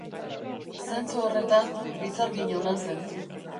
Zentzu horretan, bizargin ona zen.